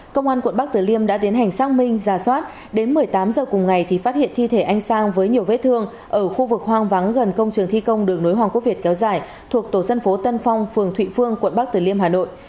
công an quận bắc tử liêm đã tiến hành xác minh giả soát đến một mươi tám h cùng ngày thì phát hiện thi thể anh sang với nhiều vết thương ở khu vực hoang vắng gần công trường thi công đường nối hoàng quốc việt kéo dài thuộc tổ dân phố tân phong phường thụy phương quận bắc tử liêm hà nội